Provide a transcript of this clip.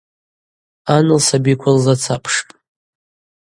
Ан лсабиква лзацапшпӏ.